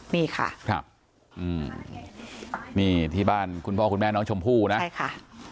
นี่ค่ะครับอืมนี่ที่บ้านคุณพ่อคุณแม่น้องชมพู่นะใช่ค่ะ